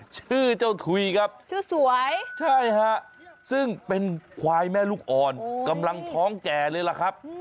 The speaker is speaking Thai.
ชื่อเจ้าถุยครับชื่อสวยใช่ฮะซึ่งเป็นควายแม่ลูกอ่อนกำลังท้องแก่เลยล่ะครับ